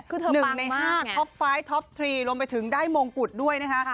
คือเธอปังมากหนึ่งในห้างท็อป๕ท็อป๓ลงไปถึงได้มงกุฎด้วยนะคะ